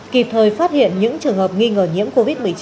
kịp thời phát hiện những trường hợp nghi ngờ nhiễm covid một mươi chín